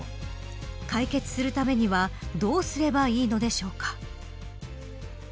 解決するためにはどうすればいいのでしょうか。